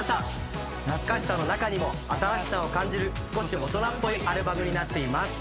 懐かしさの中にも新しさを感じる少し大人っぽいアルバムになっています。